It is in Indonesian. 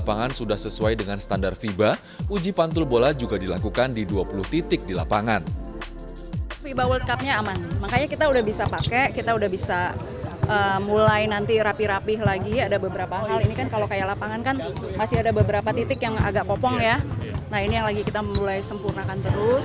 lapangan sudah sesuai dengan standar fiba uji pantul bola juga dilakukan di dua puluh titik di lapangan